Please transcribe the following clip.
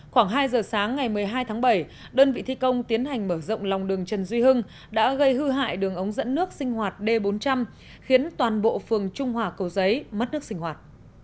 khoảng hai giờ sáng ngày một mươi hai tháng bảy đơn vị thi công tiến hành mở rộng lòng đường trần duy hưng đã gây hư hại đường ống dẫn nước sinh hoạt d bốn trăm linh khiến toàn bộ phường trung hòa cầu giấy mất nước sinh hoạt